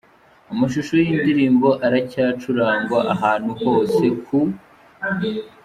Amashusho yiyi ndirimbo aracyacurangwa ahantu hose, ku.